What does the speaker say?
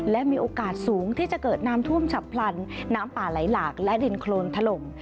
และมีโอกาสสูงที่จะเกิดน้ำท่วมฉับพลันน้ำป่าไหลหลากและดินโครนถล่ม